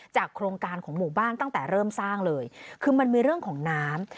โครงการของหมู่บ้านตั้งแต่เริ่มสร้างเลยคือมันมีเรื่องของน้ำ